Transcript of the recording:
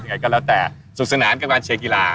สแตกต่อไปก็แล้วแต่สุขภาพกับการเชียงกีฬา